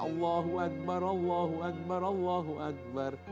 allahu akbar allahu akbar allahu akbar